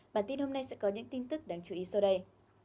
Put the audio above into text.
bản tin hôm nay sẽ có những tin tức đáng chú ý sau đây